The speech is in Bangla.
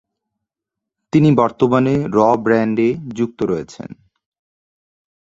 তিনি বর্তমানে র ব্র্যান্ডে যুক্ত রয়েছেন।